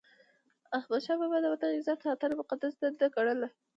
احمدشاه بابا د وطن د عزت ساتنه مقدسه دنده ګڼله.